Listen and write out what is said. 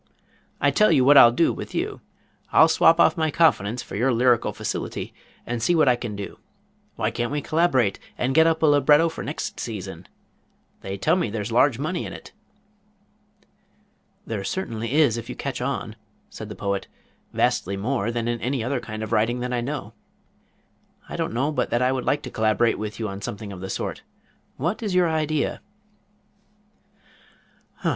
I tell you what I'll do with you. I'll swap off my confidence for your lyrical facility and see what I can do. Why can't we collaborate and get up a libretto for next season? They tell me there's large money in it." "There certainly is if you catch on," said the Poet. "Vastly more than in any other kind of writing that I know. I don't know but that I would like to collaborate with you on something of the sort. What is your idea?"